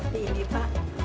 terima kasih pak